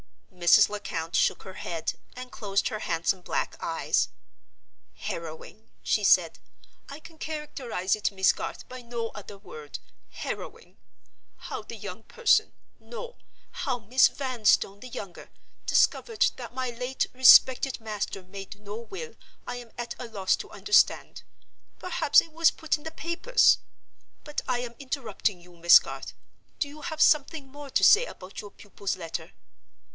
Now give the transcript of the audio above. Mrs. Lecount shook her head, and closed her handsome black eyes. "Harrowing," she said; "I can characterize it, Miss Garth, by no other word—harrowing. How the young person—no! how Miss Vanstone, the younger—discovered that my late respected master made no will I am at a loss to understand. Perhaps it was put in the papers? But I am interrupting you, Miss Garth. Do have something more to say about your pupil's letter?"